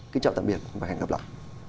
kính chào tạm biệt và hẹn gặp lại